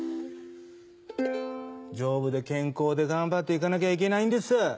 丈夫で健康で頑張っていかなきゃいけないんです。